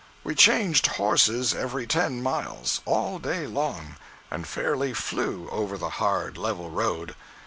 025.jpg (32K) We changed horses every ten miles, all day long, and fairly flew over the hard, level road.